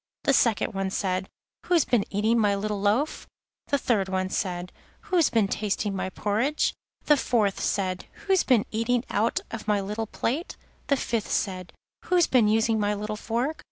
The second said: 'Who's been eating my little loaf?' The third said: 'Who's been tasting my porridge?' The fourth said: 'Who's been eating out of my little plate?' The fifth said: 'Who's been using my little fork?